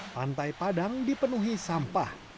pantai padang dipenuhi sampah